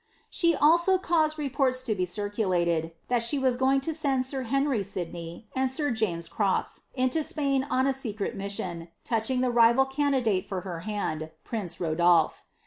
"' She also caused reports to be circulated, that she vu going to send sir Henry Sidney and sir James Crof\ into Spain on a wrret mission, touching the rival candidate for her hand, prince Ro dolph.